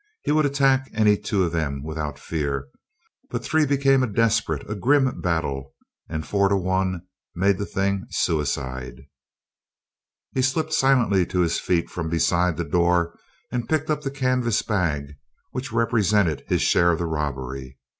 He would attack any two of them without fear. But three became a desperate, a grim battle; and four to one made the thing suicide. He slipped silently to his feet from beside the door and picked up the canvas bag which represented his share of the robbery.